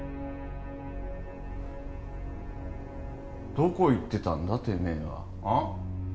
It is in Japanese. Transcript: ・どこ行ってたんだてめえはあッ？